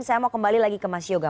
saya mau kembali lagi ke mas yoga